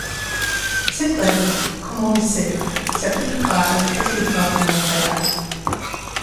Cette règle, comme on le sait, s'appliquera à la cathédrale de Montréal.